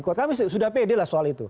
buat kami sudah pede lah soal itu